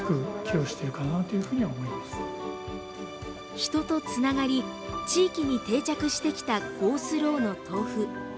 人とつながり、地域に定着してきたゴー・スローの豆腐。